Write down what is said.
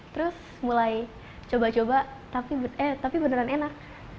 terus mulai coba coba eh tapi beneran enak